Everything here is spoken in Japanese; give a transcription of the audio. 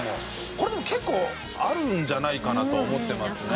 これでも結構あるんじゃないかなと思ってますね。